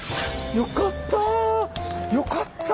よかった！